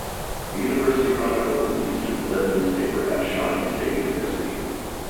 The University Chronicle is the student-led newspaper at Shawnee State University.